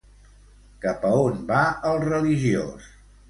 Cap a on va el religiós?